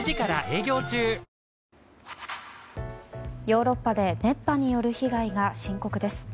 ＪＴヨーロッパで熱波による被害が深刻です。